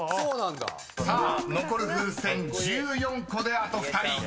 ［さあ残る風船１４個であと２人］